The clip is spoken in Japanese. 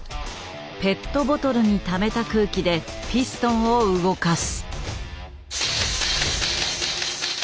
ペットボトルにためた空気でピストンを動かす。